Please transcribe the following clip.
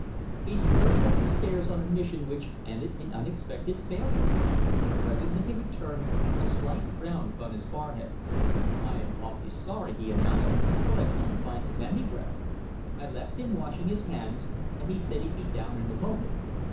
He strode up the stairs on a mission which ended in unexpected failure. Presently he returned, a slight frown upon his forehead. "I am awfully sorry," he announced, "but I can't find him anywhere. I left him washing his hands, and he said he'd be down in a moment.